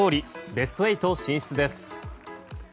ベスト８進出です。